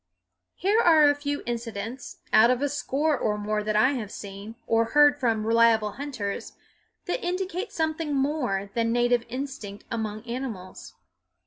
Here are a few incidents, out of a score or more that I have seen, or heard from reliable hunters, that indicate something more than native instinct among animals.